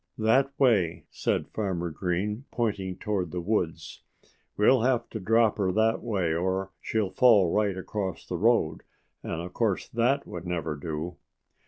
"That way!" said Farmer Green, pointing toward the woods. "We'll have to drop her that way, or she'll fall right across the road, and of course THAT would never do."